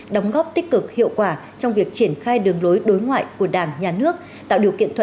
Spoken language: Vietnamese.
đóng góp tích cực hiệu quả trong việc chiến đấu